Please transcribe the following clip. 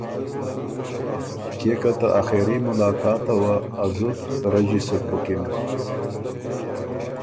کيې که ته آخېري ملاقاته وه ا زُت رݫی سُک بُکِن۔